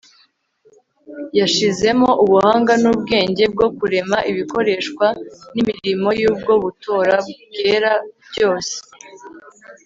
yashizemo ubuhanga n'ubwenge bwo kurema ibikoreshwa imirimo y'ubwo butoro bwera byose